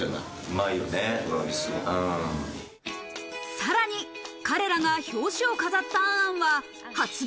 さらに彼らが表紙を飾った『ａｎ・ａｎ』は発売